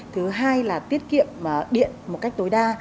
thứ hai là tiết kiệm điện một cách tối đa